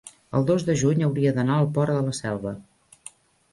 el dos de juny hauria d'anar al Port de la Selva.